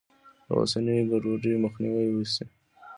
له اوسنیو ګډوډیو مخنیوی وشي.